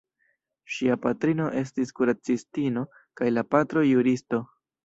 Ŝia patrino estis kuracistino kaj la patro juristo.